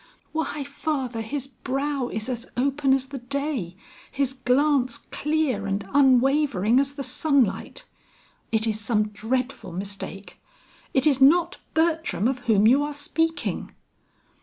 Why, father, his brow is as open as the day, his glance clear and unwavering as the sunlight. It is some dreadful mistake. It is not Bertram of whom you are speaking!"